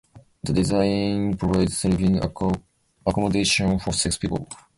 The design provides sleeping accommodation for six people.